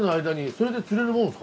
それで釣れるもんですか？